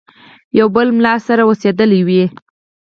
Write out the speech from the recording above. یو بل مُلا سره اوسېدلی وي.